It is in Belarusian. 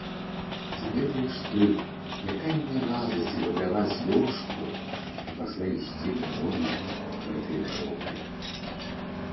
Ці ведаеш ты, якая мне радасць габляваць дошку і пасля ісці дадому гэтай дарогай.